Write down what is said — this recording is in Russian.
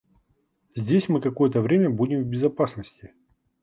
Здесь мы какое-то время будем в безопасноти.